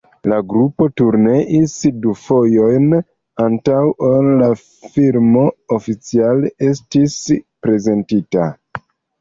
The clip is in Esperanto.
La grupo turneis du fojojn, antaŭ ol la filmo oficiale estis prezentita.